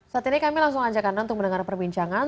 saat ini kami langsung ajak anda untuk mendengar perbincangan